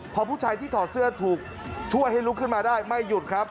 พอผู้ชายที่ถอดเสื้อถูกช่วยให้ลุกขึ้นมาได้ไม่หยุดครับ